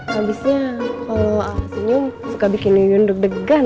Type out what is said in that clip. habisnya kalau a'a senyum suka bikin yuyun deg degan